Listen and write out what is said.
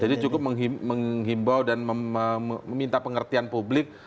jadi cukup menghimbau dan meminta pengertian publik